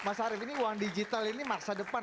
mas arief ini uang digital ini masa depan